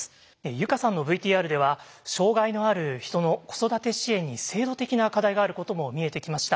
友佳さんのＶＴＲでは障害のある人の子育て支援に制度的な課題があることも見えてきました。